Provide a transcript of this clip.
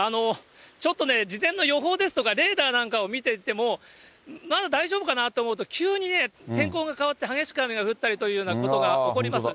ちょっとね、事前の予報ですとかレーダーなんかを見ていても、まだ大丈夫かなと思うと、急にね、天候が変わって激しく雨が降ったりというようなことが起こります。